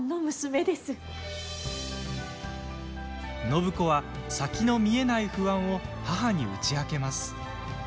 暢子は、先の見えない不安を母に打ち明けます。